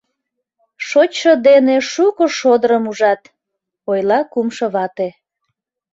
Шочшо дене шуко шодырым ужат, — ойла кумшо вате.